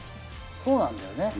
そうなんだよね。